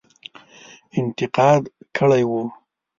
انتقاد کړی وو.